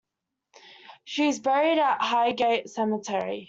She is buried at Highgate Cemetery.